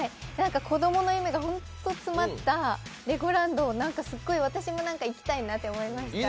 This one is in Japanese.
子供の夢がほんと詰まったレゴランド、私も行きたいなって思いました。